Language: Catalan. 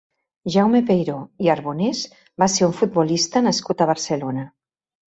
Jaume Peiró i Arbonès va ser un futbolista nascut a Barcelona.